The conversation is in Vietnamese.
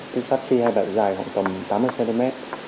cúp sắt khi hai bệnh dài khoảng tầm tám mươi cm